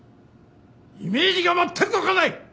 イメージがまったく湧かない！